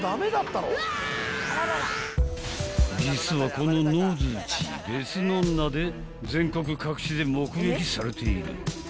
［実はこののづち別の名で全国各地で目撃されている］